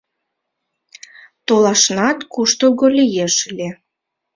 Толашнат куштылго лиеш ыле